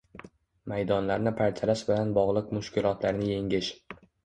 maydonlarni parchalash bilan bog‘liq mushkulotlarni yengish